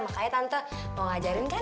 makanya tante mau ngajarin kan